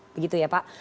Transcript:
begitu ya pak